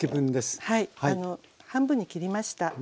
半分に切りました。